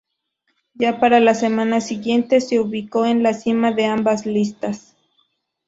Ya para la semana siguiente se ubicó en la cima de ambas listas.